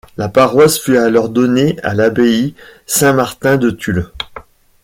La paroisse fut alors donnée à l’abbaye Saint-Martin de Tulle.